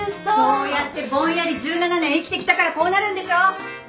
そうやってぼんやり１７年生きてきたからこうなるんでしょ！